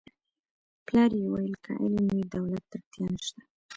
پلار یې ویل که علم وي دولت ته اړتیا نشته